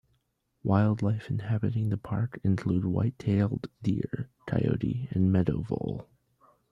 Wildlife inhabiting the park include white-tailed deer, coyote, and meadow vole.